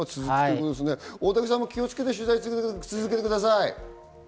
大竹さんも気をつけて取材を続けてください。